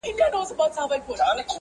مخ ګلاب لېمه نرګس زلفي سنبل سوې,